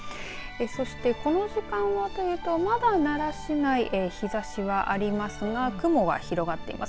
そして、この時間はというとまだ奈良市内日ざしはありますが雲は広がっています。